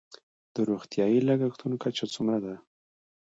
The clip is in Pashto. د روغتیايي لګښتونو کچه څومره ده؟